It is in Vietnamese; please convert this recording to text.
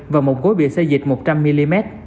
và một gối bị xê dịch một trăm linh mm